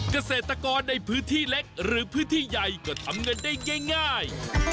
เกษตรกรในพื้นที่เล็กหรือพื้นที่ใหญ่ก็ทำเงินได้ง่าย